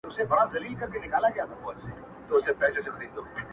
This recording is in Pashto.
هغه شپه مي ټوله سندريزه وه ـ